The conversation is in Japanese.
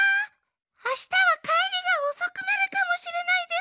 あしたはかえりがおそくなるかもしれないでスー。